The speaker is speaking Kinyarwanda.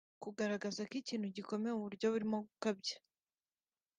kugaragaza ko ikintu gikomeye mu buryo burimo gukabya